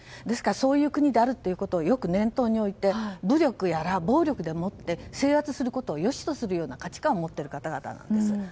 ですからそういう国であるということを念頭に置いて、武力やら暴力でもって制圧することを良しとするような価値観を持っている方々なんです。